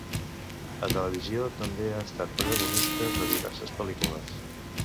A televisió també ha estat protagonista de diverses pel·lícules.